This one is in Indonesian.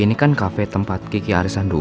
ini kan kafe tempat gigi arisan dulu